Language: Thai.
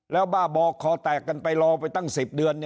แล้วบ้าบอคอแตกกันไปรอไปตั้ง๑๐เดือน